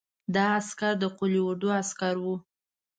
دا عسکر د قول اردو عسکر وو.